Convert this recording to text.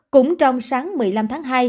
cũng trong sáng một mươi năm tháng hai